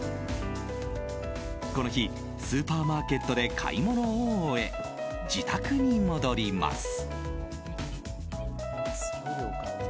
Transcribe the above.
この日、スーパーマーケットで買い物を終え自宅に戻ります。